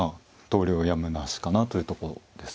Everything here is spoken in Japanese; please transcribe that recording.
投了やむなしかなというとこですね。